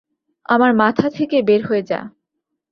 আমার মাথা থেকে বের হয়ে যা!